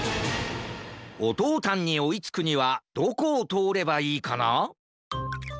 オトータンにおいつくにはどこをとおればいいかな？